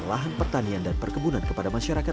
lahan pertanian dan perkebunan kepada masyarakat